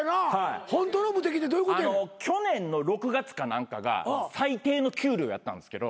去年の６月か何かが最低の給料やったんですけど